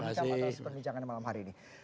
ucap atas perbincangan malam hari ini